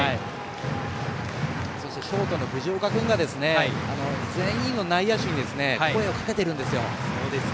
ショートの藤岡君が全員の内野手に声をかけてるんです。